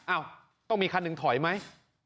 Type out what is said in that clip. อ้าวต้องมีคันหนึ่งถอยไหม